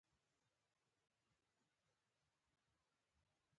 مناسب عمر او وړ معیارونه تعین کړي.